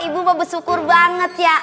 ibu bapak bersyukur banget ya